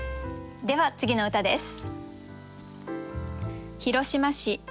では次の歌です。